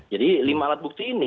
jadi lima alat bukti ini